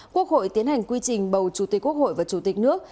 quốc hội tiến hành quy trình bầu chủ tịch quốc hội và chủ tịch nước